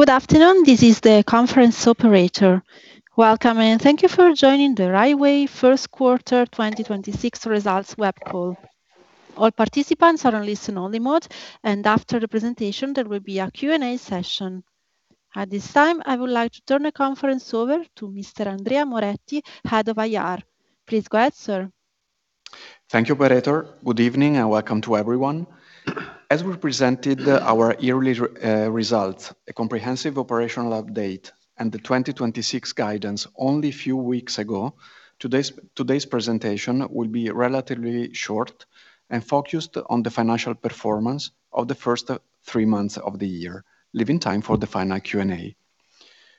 Good afternoon. This is the conference operator. Welcome, and thank you for joining the Rai Way first quarter 2026 results web call. All participants are on listen only mode, and after the presentation, there will be a Q&A session. At this time, I would like to turn the conference over to Mr. Andrea Moretti, Head of IR. Please go ahead, sir. Thank you, operator. Good evening, and welcome to everyone. As we presented our yearly result, a comprehensive operational update and the 2026 guidance only a few weeks ago, today's presentation will be relatively short and focused on the financial performance of the first three months of the year, leaving time for the final Q&A.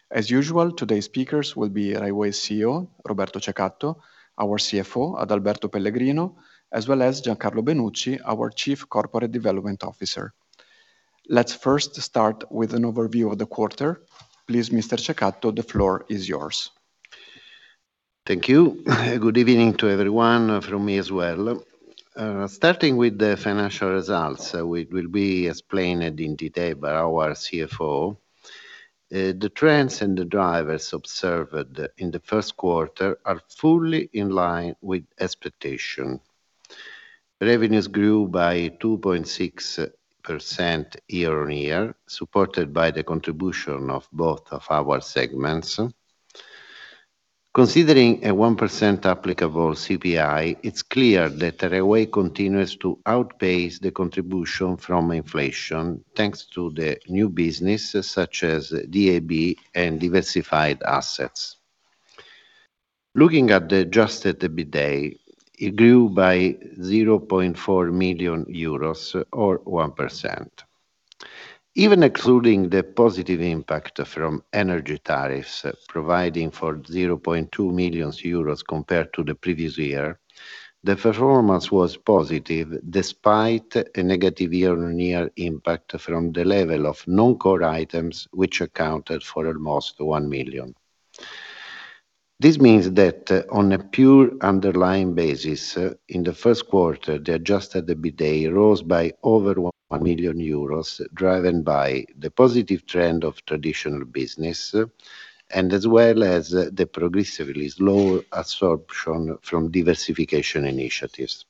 As usual, today's speakers will be Rai Way CEO, Roberto Cecatto; our CFO, Adalberto Pellegrino; as well as Giancarlo Benucci, our Chief Corporate Development Officer. Let's first start with an overview of the quarter. Please, Mr. Cecatto, the floor is yours. Thank you. Good evening to everyone from me as well. Starting with the financial results, which will be explained in detail by our CFO, the trends and the drivers observed in the first quarter are fully in line with expectation. Revenues grew by 2.6% year-on-year, supported by the contribution of both of our segments. Considering a 1% applicable CPI, it's clear that Rai Way continues to outpace the contribution from inflation, thanks to the new business such as DAB and diversified assets. Looking at the adjusted EBITDA, it grew by 0.4 million euros or 1%. Even excluding the positive impact from energy tariffs, providing for 0.2 million euros compared to the previous year, the performance was positive despite a negative year-on-year impact from the level of non-core items, which accounted for almost 1 million. This means that on a pure underlying basis, in the first quarter, the adjusted EBITDA rose by over 1 million euros, driven by the positive trend of traditional business, and as well as the progressively slower absorption from diversification initiatives.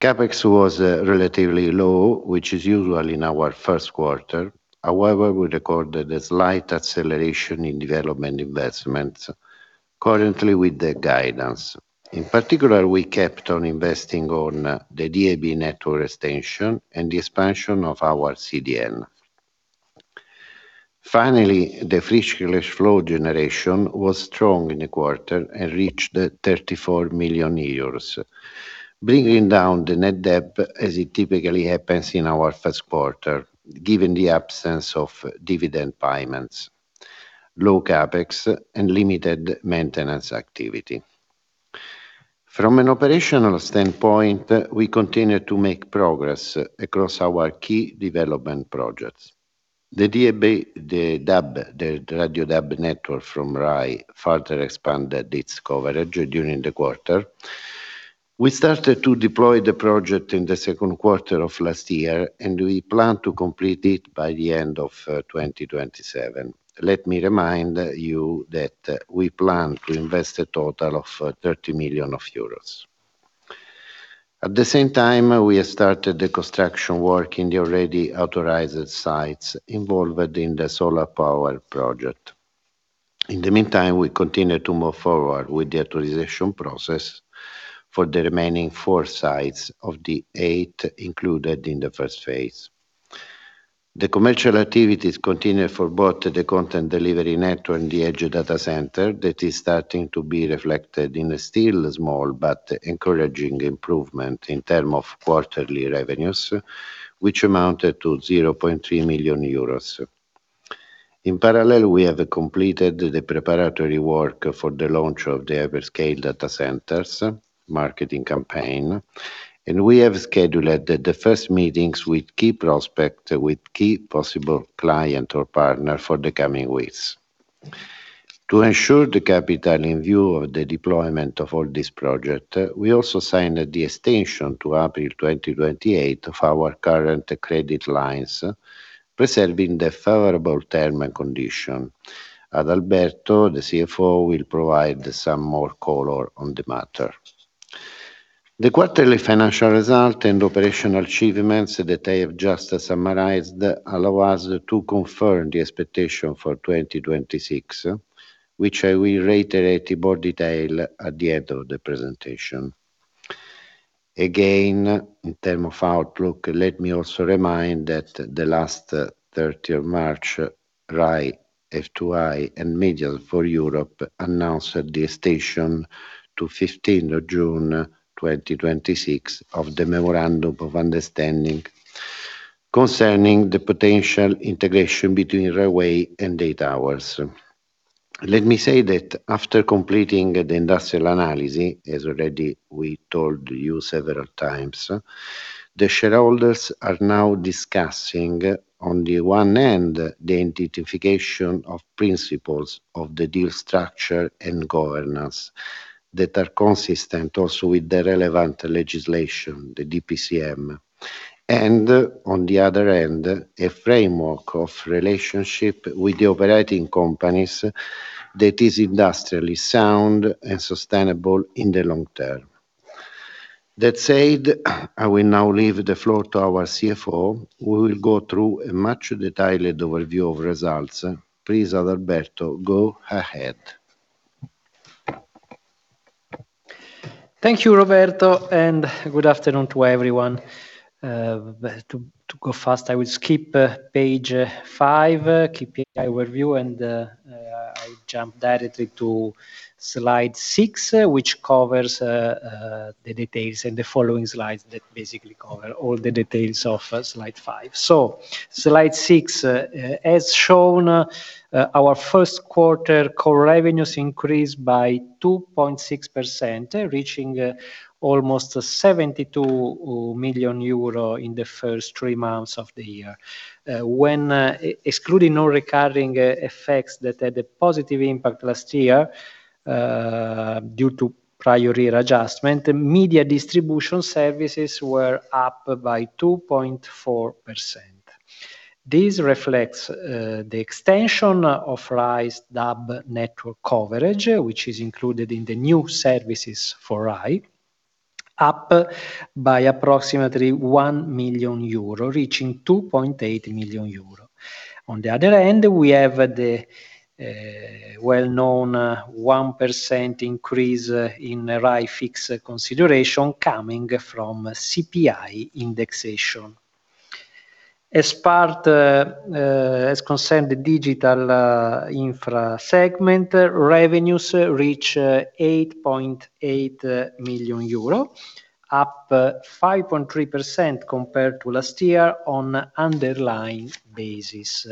CapEx was relatively low, which is usual in our first quarter. However, we recorded a slight acceleration in development investments currently with the guidance. In particular, we kept on investing on the DAB network extension and the expansion of our CDN. Finally, the free cash flow generation was strong in the quarter and reached 34 million euros, bringing down the net debt as it typically happens in our first quarter, given the absence of dividend payments, low CapEx, and limited maintenance activity. From an operational standpoint, we continue to make progress across our key development projects. The DAB, the Radio DAB network from Rai further expanded its coverage during the quarter. We started to deploy the project in the second quarter of last year, and we plan to complete it by the end of 2027. Let me remind you that we plan to invest a total of 30 million euros. At the same time, we have started the construction work in the already authorized sites involved in the solar power project. In the meantime, we continue to move forward with the authorization process for the remaining four sites of the eight included in the first phase. The commercial activities continue for both the content delivery network and the edge data center that is starting to be reflected in a still small but encouraging improvement in term of quarterly revenues, which amounted to 0.3 million euros. In parallel, we have completed the preparatory work for the launch of the hyperscale data centers marketing campaign, and we have scheduled the first meetings with key prospect, key possible client or partner for the coming weeks. To ensure the capital in view of the deployment of all this project, we also signed the extension to April 2028 of our current credit lines, preserving the favorable term and condition. Adalberto, the CFO, will provide some more color on the matter. The quarterly financial result and operational achievements that I have just summarized allow us to confirm the expectation for 2026, which I will reiterate in more detail at the end of the presentation. Again, in term of outlook, let me also remind that the last 30th of March, RAI, F2i and MFE-MediaForEurope announced the extension to 15th of June 2026 of the Memorandum of Understanding concerning the potential integration between Rai Way and EI Towers. Let me say that after completing the industrial analysis, as already we told you several times, the shareholders are now discussing, on the one hand, the identification of principles of the deal structure and governance that are consistent also with the relevant legislation, the DPCM. On the other hand, a framework of relationship with the operating companies that is industrially sound and sustainable in the long term. That said, I will now leave the floor to our CFO, who will go through a much detailed overview of results. Please, Adalberto, go ahead. Thank you, Roberto, and good afternoon to everyone. To go fast, I will skip page five, KPI overview, and I jump directly to slide six, which covers the details in the following slides that basically cover all the details of slide five. Slide six, as shown, our first quarter core revenues increased by 2.6%, reaching almost 72 million euro in the first three months of the year. When excluding non-recurring effects that had a positive impact last year, due to prior year adjustment, media distribution services were up by 2.4%. This reflects the extension of Rai's DAB network coverage, which is included in the new services for Rai, up by approximately 1 million euro, reaching 2.8 million euro. On the other hand, we have the well-known 1% increase in Rai fixed consideration coming from CPI indexation. As part, as concerned the digital infra segment, revenues reach 8.8 million euro, up 5.3% compared to last year on underlying basis.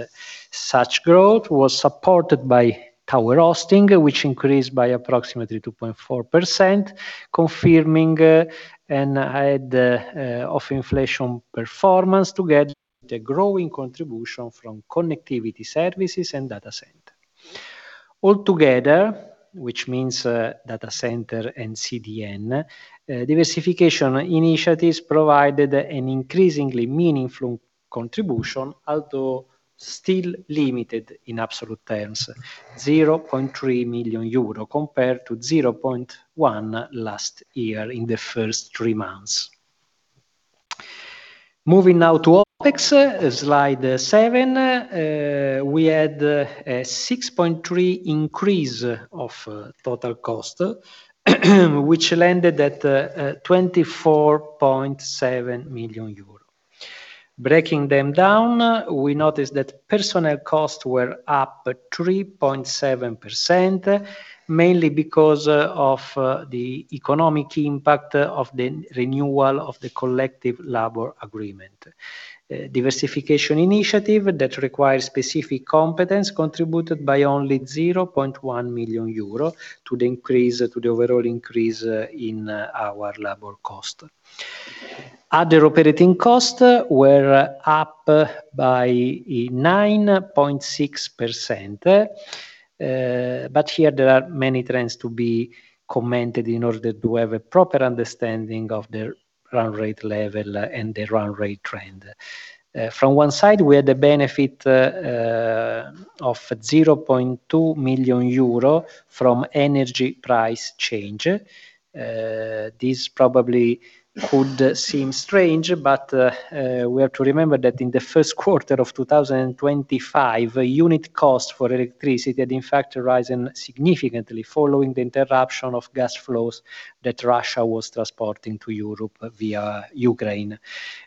Such growth was supported by tower hosting, which increased by approximately 2.4%, confirming an head of inflation performance together with the growing contribution from connectivity services and data center. All together, which means data center and CDN diversification initiatives provided an increasingly meaningful contribution, although still limited in absolute terms. 0.3 million euro compared to 0.1 million last year in the first three months. Moving now to OpEx, slide seven, we had a 6.3% increase of total cost, which landed at 24.7 million euro. Breaking them down, we noticed that personnel costs were up 3.7%, mainly because of the economic impact of the renewal of the collective labor agreement. Diversification initiative that requires specific competence contributed by only 0.1 million euro to the overall increase in our labor cost. Other operating cost were up by 9.6%, here there are many trends to be commented in order to have a proper understanding of the run rate level and the run rate trend. From one side, we had the benefit of 0.2 million euro from energy price change. This probably could seem strange, but we have to remember that in the first quarter of 2025, unit cost for electricity had in fact risen significantly following the interruption of gas flows that Russia was transporting to Europe via Ukraine.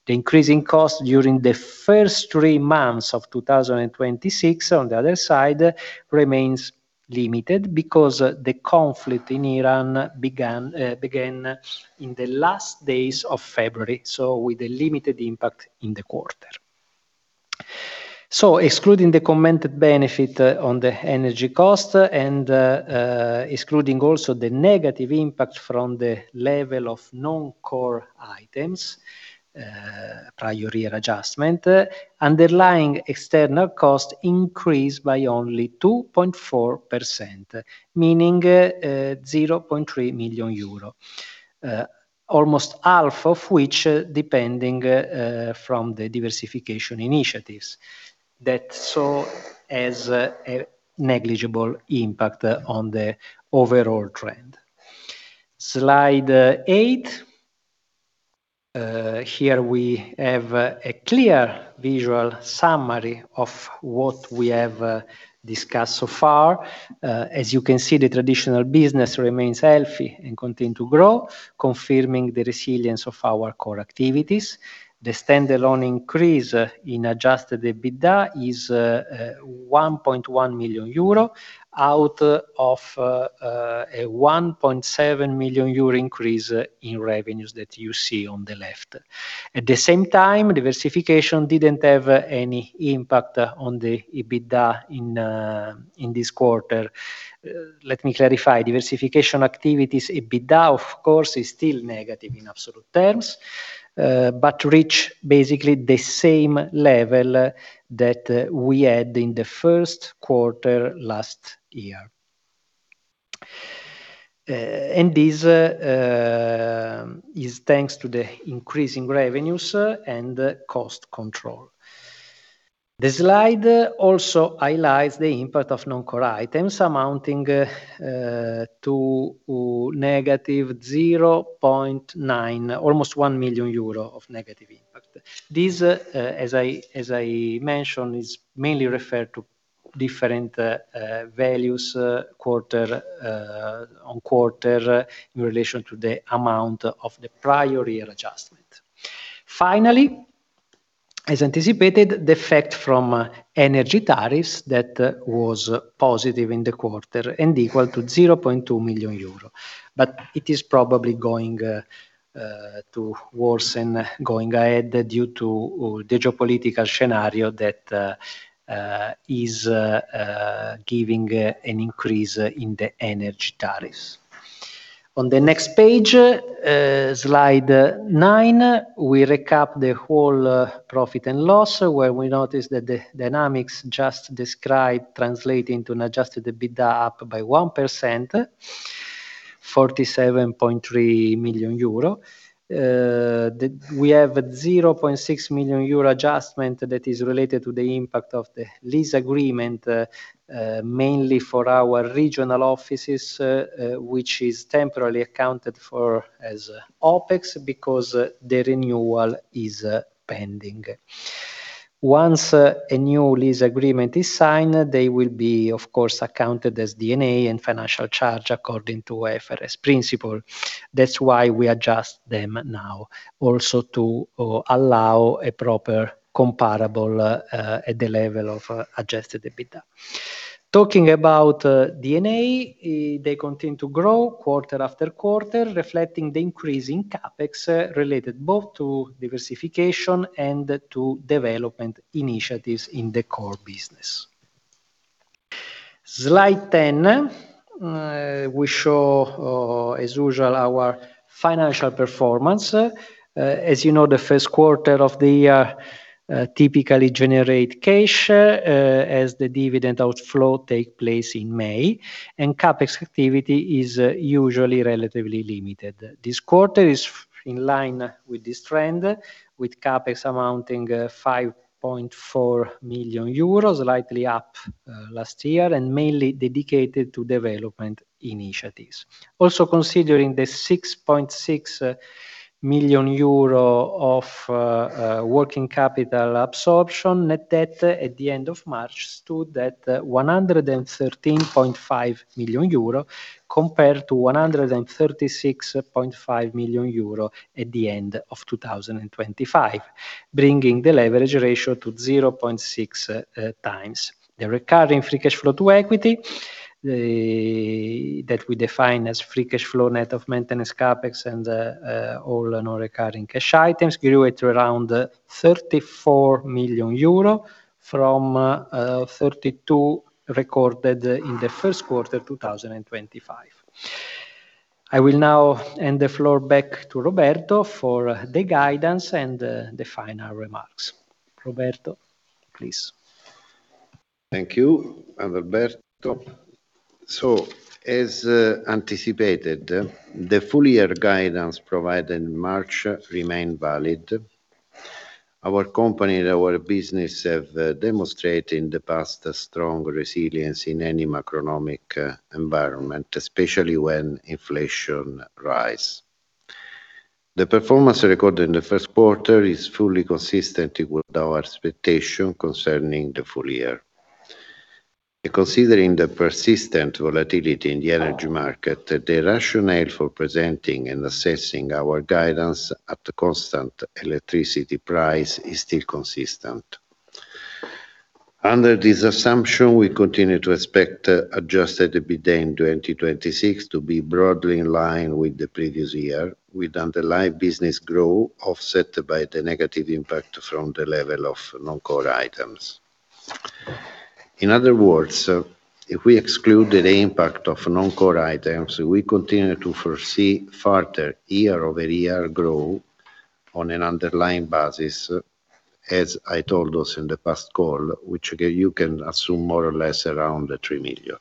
The increasing cost during the first three months of 2026, on the other side, remains limited because the conflict in Iran began in the last days of February, with a limited impact in the quarter. Excluding the commented benefit on the energy cost and excluding also the negative impact from the level of non-core items, prior year adjustment, underlying external cost increased by only 2.4%, meaning 0.3 million euro, almost half of which depending from the diversification initiatives. That saw as a negligible impact on the overall trend. Slide eight. Here we have a clear visual summary of what we have discussed so far. As you can see, the traditional business remains healthy and continue to grow, confirming the resilience of our core activities. The standalone increase in adjusted EBITDA is 1.1 million euro out of a 1.7 million euro increase in revenues that you see on the left. At the same time, diversification didn't have any impact on the EBITDA in this quarter. Let me clarify. Diversification activities EBITDA, of course, is still negative in absolute terms, but reach basically the same level that we had in the first quarter last year. This is thanks to the increasing revenues and the cost control. The slide also highlights the impact of non-core items amounting to -0.9 million, almost 1 million euro of negative impact. This, as I mentioned, is mainly referred to different values quarter-on-quarter in relation to the amount of the prior year adjustment. Finally, as anticipated, the effect from energy tariffs that was positive in the quarter and equal to 0.2 million euro. It is probably going to worsen going ahead due to the geopolitical scenario that is giving an increase in the energy tariffs. On the next page, slide nine, we recap the whole profit and loss, where we notice that the dynamics just described translate into an adjusted EBITDA up by 1%, 47.3 million euro. We have a 0.6 million euro adjustment that is related to the impact of the lease agreement, mainly for our regional offices, which is temporarily accounted for as OpEx because the renewal is pending. Once a new lease agreement is signed, they will be, of course, accounted as D&A and financial charge according to IFRS principle. That's why we adjust them now also to allow a proper comparable at the level of adjusted EBITDA. Talking about D&A, they continue to grow quarter after quarter, reflecting the increase in CapEx related both to diversification and to development initiatives in the core business. Slide 10. We show, as usual, our financial performance. As you know, the first quarter of the year, typically generate cash, as the dividend outflow take place in May, and CapEx activity is usually relatively limited. This quarter is in line with this trend, with CapEx amounting 5.4 million euros, slightly up last year, and mainly dedicated to development initiatives. Also, considering the 6.6 million euro of working capital absorption, net debt at the end of March stood at 113.5 million euro, compared to 136.5 million euro at the end of 2025, bringing the leverage ratio to 0.6x. The recurring free cash flow to equity, that we define as free cash flow net of maintenance CapEx and all non-recurring cash items, grew at around 34 million euro from 32 million recorded in the first quarter 2025. I will now hand the floor back to Roberto for the guidance and the final remarks. Roberto, please. Thank you, Adalberto. As anticipated, the full year guidance provided in March remained valid. Our company and our business have demonstrated in the past a strong resilience in any macroeconomic environment, especially when inflation rise. The performance recorded in the first quarter is fully consistent with our expectation concerning the full year. Considering the persistent volatility in the energy market, the rationale for presenting and assessing our guidance at constant electricity price is still consistent. Under this assumption, we continue to expect adjusted EBITDA in 2026 to be broadly in line with the previous year, with underlying business growth offset by the negative impact from the level of non-core items. In other words, if we excluded the impact of non-core items, we continue to foresee further year-over-year growth on an underlying basis, as I told us in the past call, which you can assume more or less around 3 million.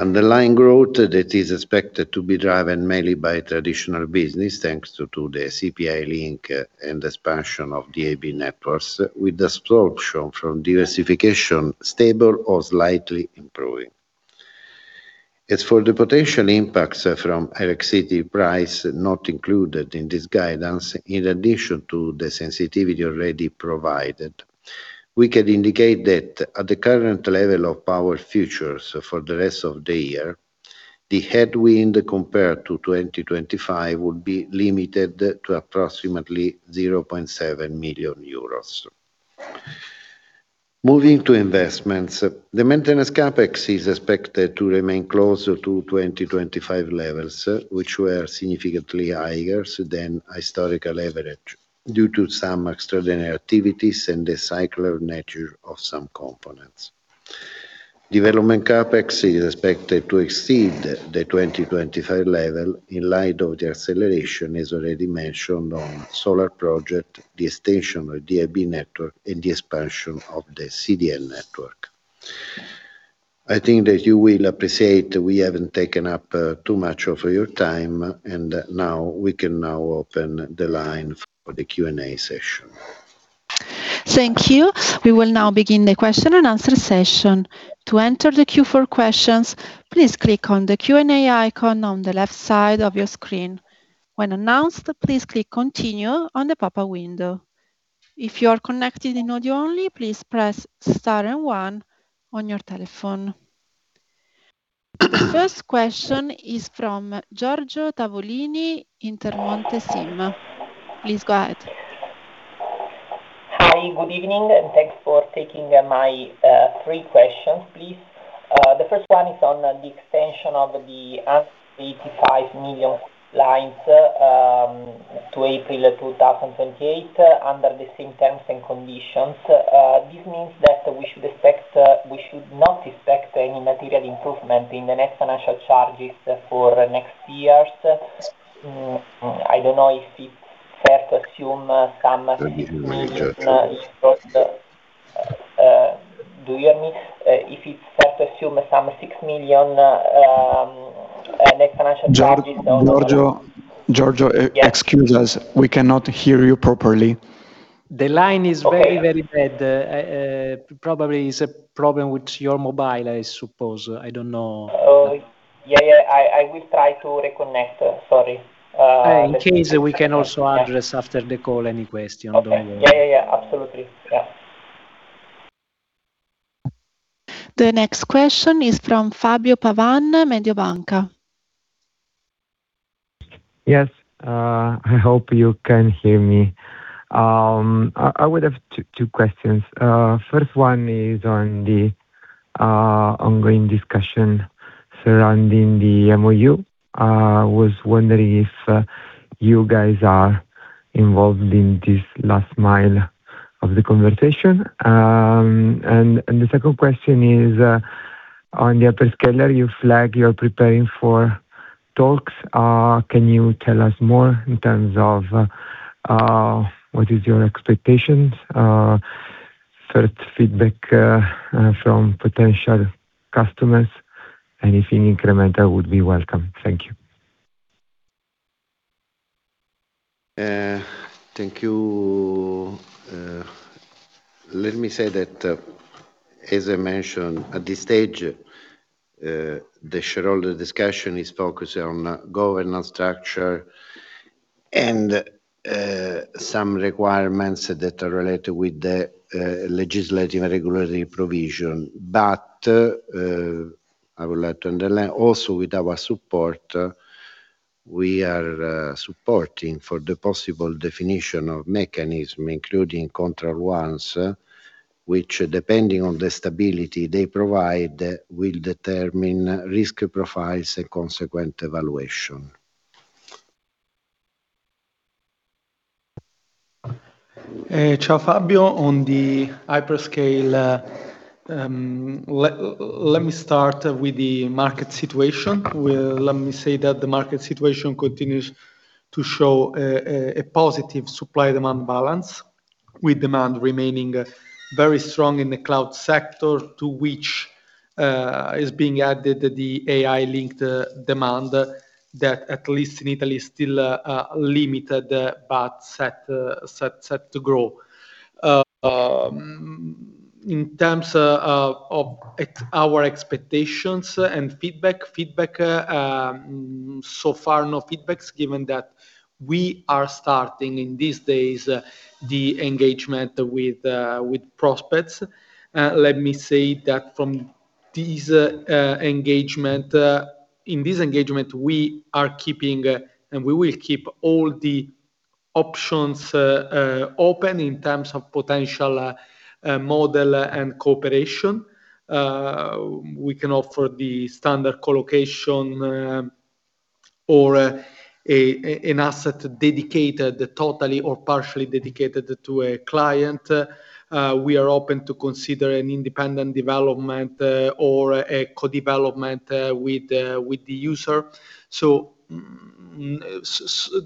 Underlying growth that is expected to be driven mainly by traditional business, thanks to the CPI link and expansion of DAB networks, with absorption from diversification stable or slightly improving. As for the potential impacts from electricity price not included in this guidance, in addition to the sensitivity already provided, we can indicate that at the current level of power futures for the rest of the year, the headwind compared to 2025 would be limited to approximately 0.7 million euros. Moving to investments, the maintenance CapEx is expected to remain closer to 2025 levels, which were significantly higher than historical average due to some extraordinary activities and the cyclical nature of some components. Development CapEx is expected to exceed the 2025 level in light of the acceleration, as already mentioned, on solar project, the extension of DAB network, and the expansion of the CDN network. I think that you will appreciate we haven't taken up too much of your time, and now we can now open the line for the Q&A session. Thank you. We will now begin the question and answer session. To enter the queue for questions, please click on the Q&A icon on the left side of your screen. When announced to please click continue on the pop up window. If your connected in the audio only, please press star and one on your telephone. First question is from Giorgio Tavolini, Intermonte SIM. Please go ahead. Hi, good evening, thanks for taking my three questions, please. The first one is on the extension of the [credit lines maturities] to April 2028 under the same terms and conditions. This means that we should not expect any material improvement in the next financial charges for next years. I don't know if it's fair to assume some. Let me hear when you can. Do you hear me? If it's fair to assume some 6 million, net financial charges on the-. Giorgio, excuse us. We cannot hear you properly. The line is very, very bad. Probably it's a problem with your mobile, I suppose. I don't know. Oh, yeah. I will try to reconnect. Sorry. In case we can also address after the call any question. Don't worry. Okay. Yeah, yeah. Absolutely. Yeah. The next question is from Fabio Pavan, Mediobanca. Yes. I hope you can hear me. I would have two questions. First one is on the ongoing discussion surrounding the MoU. Was wondering if you guys are involved in this last mile of the conversation. The second question is on the hyperscaler you flag you're preparing for talks. Can you tell us more in terms of what is your expectations, first feedback from potential customers? Anything incremental would be welcome. Thank you. Thank you. Let me say that, as I mentioned at this stage, the shareholder discussion is focused on governance structure and some requirements that are related with the legislative regulatory provision. I would like to underline also with our support, we are supporting for the possible definition of mechanism, including control ones, which depending on the stability they provide, will determine risk profiles and consequent evaluation. Ciao, Fabio. On the hyperscale, let me start with the market situation. Well, let me say that the market situation continues to show a positive supply-demand balance, with demand remaining very strong in the cloud sector to which is being added the AI-linked demand that at least in Italy is still limited, set to grow. In terms of our expectations and feedback. Feedback, so far, no feedbacks, given that we are starting in these days the engagement with prospects. Let me say that from this engagement, in this engagement, we are keeping, we will keep all the options open in terms of potential model and cooperation. We can offer the standard collocation, or an asset dedicated, totally or partially dedicated to a client. We are open to consider an independent development, or a co-development, with the user.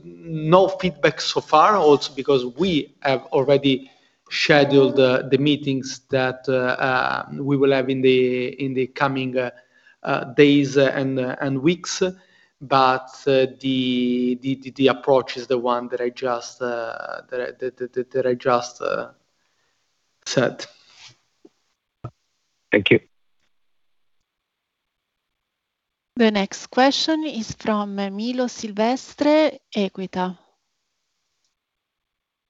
No feedback so far, also because we have already scheduled the meetings that we will have in the coming days and weeks. The approach is the one that I just said. Thank you. The next question is from Milo Silvestre, Equita.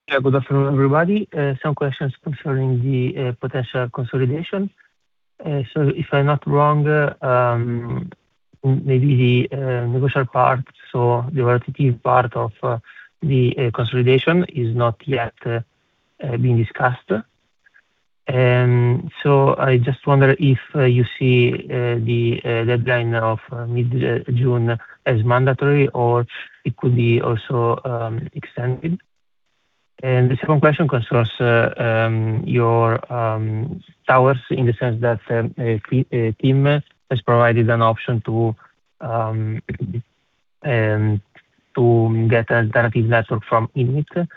Yeah. Good afternoon, everybody. Some questions concerning the potential consolidation. If I'm not wrong, maybe the negotiation part. The relative part of the consolidation is not yet being discussed. I just wonder if you see the deadline of mid-June as mandatory or it could be also extended. The second question concerns your towers in the sense that TIM has provided an option to get an alternative network from INWIT.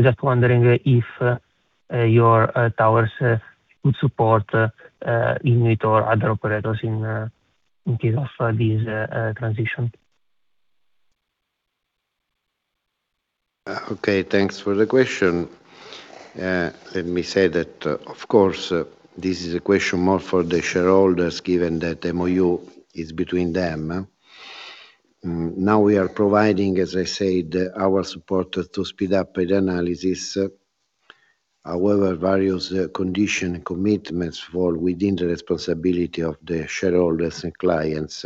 Just wondering if your towers could support INWIT or other operators in case of this transition. Okay, thanks for the question. Let me say that, of course, this is a question more for the shareholders given that MoU is between them. Now we are providing, as I said, our support to speed up the analysis. Various condition commitments fall within the responsibility of the shareholders and clients.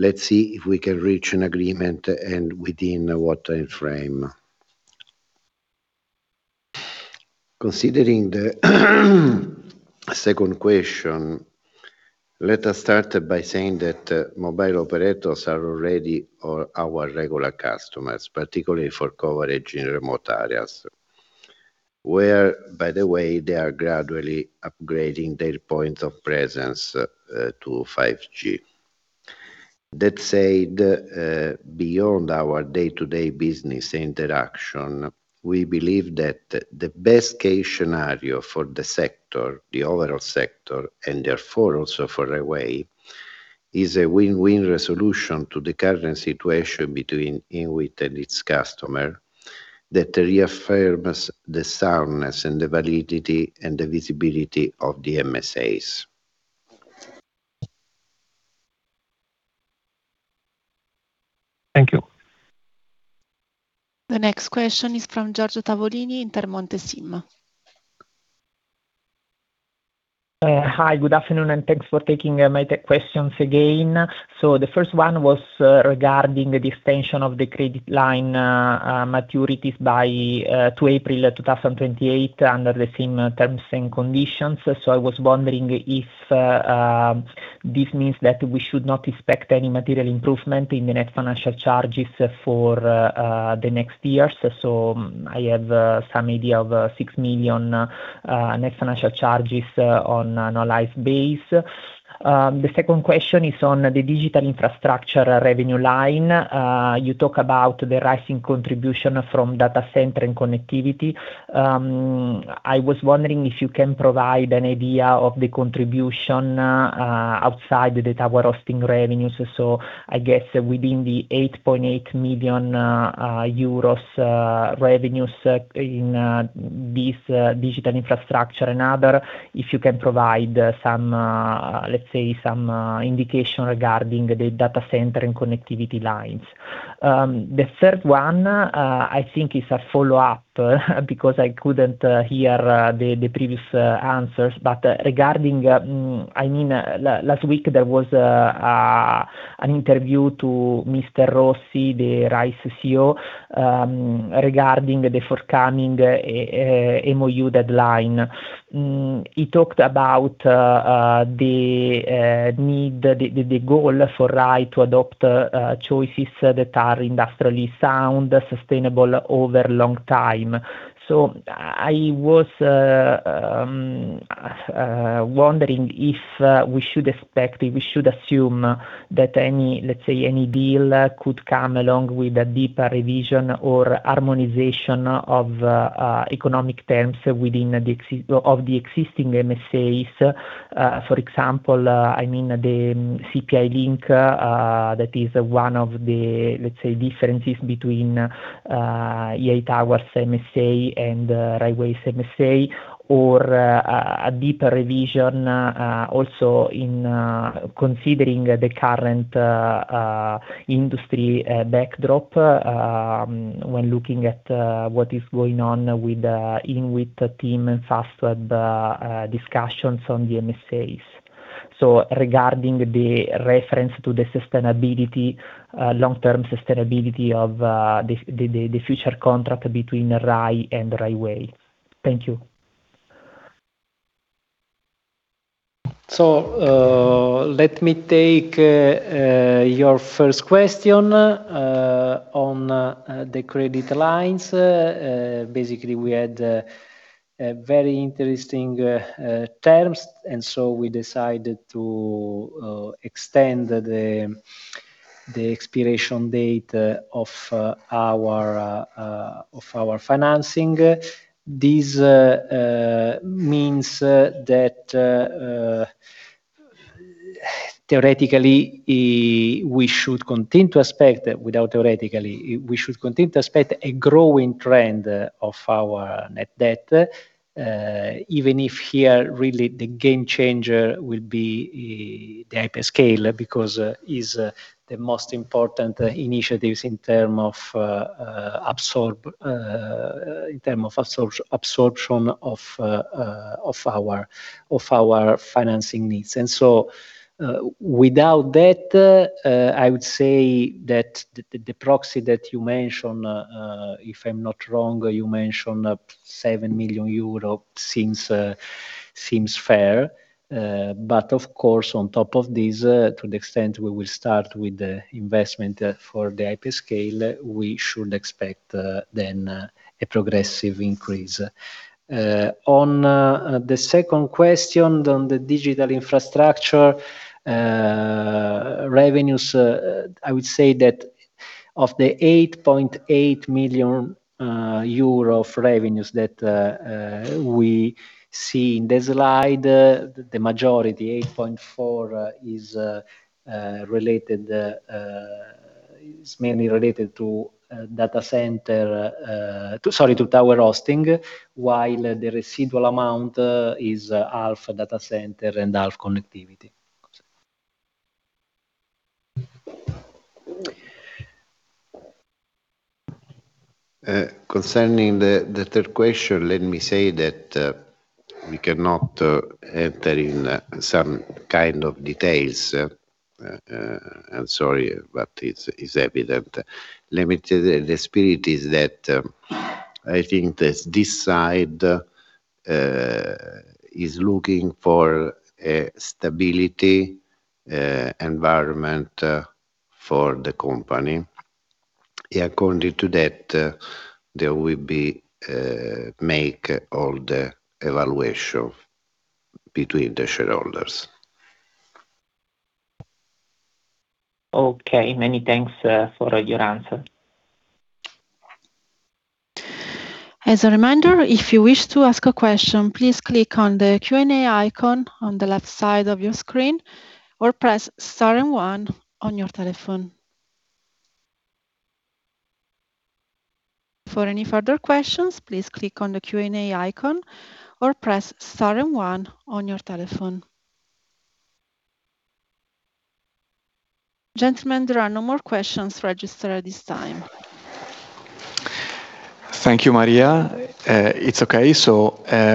Let's see if we can reach an agreement and within what time frame. Considering the second question, let us start by saying that mobile operators are already our regular customers, particularly for coverage in remote areas, where, by the way, they are gradually upgrading their point of presence to 5G. That said, beyond our day-to-day business interaction, we believe that the best-case scenario for the sector, the overall sector, and therefore also for Rai Way, is a win-win resolution to the current situation between INWIT and its customer that reaffirms the soundness and the validity and the visibility of the MSAs. Thank you. The next question is from Giorgio Tavolini, Intermonte SIM. Hi. Good afternoon, thanks for taking my three questions again. The first one was regarding the extension of the credit line maturities to April of 2028 under the same terms and conditions. I was wondering if this means that we should not expect any material improvement in the net financial charges for the next years. I have some idea of 6 million net financial charges on an alive base. The second question is on the digital infrastructure revenue line. You talk about the rising contribution from data center and connectivity. I was wondering if you can provide an idea of the contribution outside the tower hosting revenues. I guess within the 8.8 million euros revenues in this digital infrastructure and other, if you can provide some, let's say some, indication regarding the data center and connectivity lines. The third one, I think is a follow-up because I couldn't hear the previous answers. Regarding, I mean, last week there was an interview to Mr. Rossi, the RAI CEO, regarding the forthcoming MoU deadline. He talked about the need, the goal for RAI to adopt choices that are industrially sound, sustainable over long time. I was wondering if we should expect, if we should assume that any, let's say any deal could come along with a deeper revision or harmonization of economic terms within of the existing MSAs. For example, I mean the CPI link, that is one of the, let's say, differences between EI Towers MSA and Rai Way's MSA. A deeper revision also in considering the current industry backdrop, when looking at what is going on with INWIT, TIM and Fastweb discussions on the MSAs. Regarding the reference to the sustainability, long-term sustainability of the, the future contract between RAI and Rai Way. Thank you. Let me take your first question on the credit lines. Basically, we had a very interesting terms, and so we decided to extend the expiration date of our financing. This means that theoretically, we should continue to expect, without theoretically, we should continue to expect a growing trend of our net debt. Even if here really the game changer will be the hyperscale because is the most important initiatives in term of absorption of our financing needs. Without that, I would say that the proxy that you mentioned, if I'm not wrong, you mentioned 7 million euro seems fair. Of course, on top of this, to the extent we will start with the investment for the hyperscale, we should expect then a progressive increase. On the second question on the digital infrastructure revenues, I would say that Of the 8.8 million euro of revenues that we see in the slide, the majority, 8.4 million, is mainly related to tower hosting, while the residual amount is half data center and half connectivity. Concerning the third question, let me say that we cannot enter in some kind of details. I'm sorry, but it's evident. Let me say the spirit is that I think this side is looking for a stability environment for the company. According to that, there will be make all the evaluation between the shareholders. Okay. Many thanks for your answer. As a reminder, if you wish to ask a question, please click on the Q&A icon on the left side of your screen or press star and one on your telephone. For any further questions, please click on the Q&A icon or press star and one on your telephone. Gentlemen, there are no more questions registered at this time. Thank you, Maria. It's okay.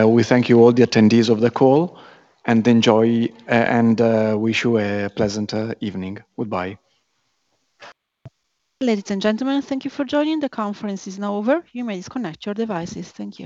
We thank you all the attendees of the call and wish you a pleasant evening. Goodbye. Ladies and gentlemen, thank you for joining. The conference is now over. You may disconnect your devices. Thank you.